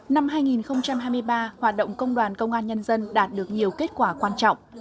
năm hai nghìn hai mươi ba hoạt động công đoàn công an nhân dân đạt được nhiều kết quả quan trọng